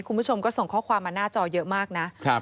คุณผู้ชมก็ส่งข้อความมาหน้าจอเยอะมากนะ